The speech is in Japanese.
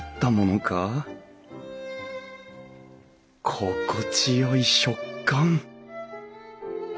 心地よい食感！